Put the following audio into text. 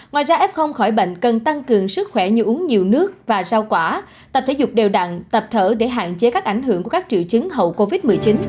ngoài ra f khỏi bệnh cần tăng cường sức khỏe như uống nhiều nước và rau quả tập thể dục đều đặn tập thở để hạn chế các ảnh hưởng của các triệu chứng hậu covid một mươi chín